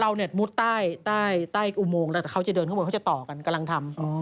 เรานี่มุทรใต้อุโมงแต่เขาจะเดินเข้าไปกำลังทำ